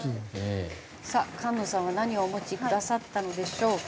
さあ菅野さんは何をお持ちくださったのでしょうか？